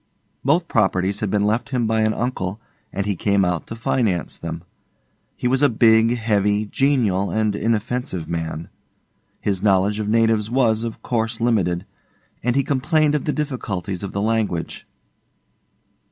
Both properties had been left him by an uncle, and he came out to finance them. He was a big, heavy, genial, and inoffensive man. His knowledge of natives was, of course, limited, and he complained of the difficulties of the language.